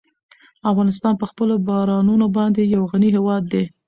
افغانستان په خپلو بارانونو باندې یو غني هېواد دی.